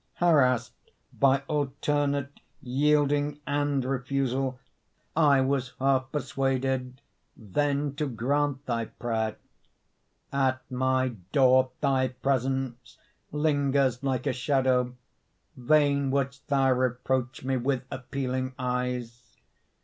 Harassed by alternate Yielding and refusal, I was half persuaded Then to grant thy prayer. At my door thy presence Lingers like a shadow; Vain wouldst thou reproach me With appealing eyes.